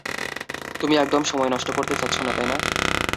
তুমি একদম সময় নষ্ট করতে চাচ্ছ না, তাই না?